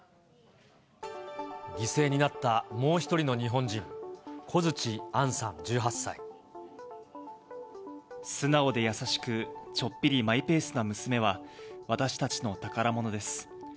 犠牲になったもう一人の日本人、素直で優しく、ちょっぴりマイペースな娘は、私たちの宝物です。